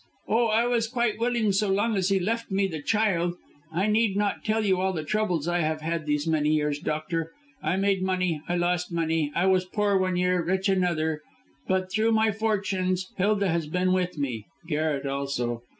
Oh, I was quite willing so long as he left me the child. I need not tell you all the troubles I have had these many years, doctor. I made money, I lost money. I was poor one year, rich another; but all through my fortunes Hilda has been with me Garret also.